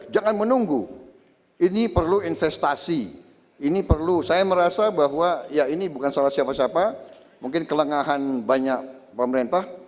jangan menunggu ini perlu investasi ini perlu saya merasa bahwa ya ini bukan salah siapa siapa mungkin kelengahan banyak pemerintah